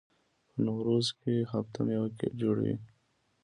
په نوروز کې هفت میوه جوړیږي.